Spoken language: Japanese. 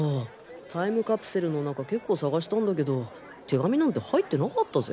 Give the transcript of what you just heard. タイムカプセルの中結構探したんだけど手紙なんて入ってなかったぜ。